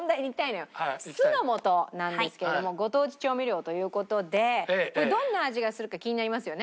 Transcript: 酢の素なんですけれどもご当地調味料という事でどんな味がするか気になりますよね？